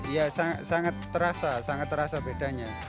ya sangat sangat terasa sangat terasa bedanya